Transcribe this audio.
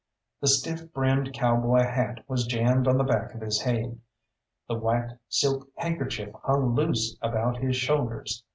The stiff brimmed cowboy hat was jammed on the back of his head, the white silk handkerchief hung loose about his shoulders.